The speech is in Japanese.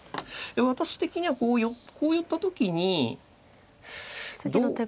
私的にはこう寄った時にどう。